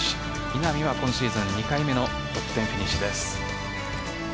稲見は今シーズン２回目の１０フィニッシュです。